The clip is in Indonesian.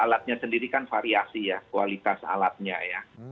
alatnya sendiri kan variasi ya kualitas alatnya ya